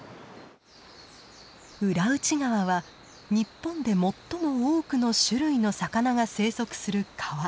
浦内川は日本で最も多くの種類の魚が生息する川。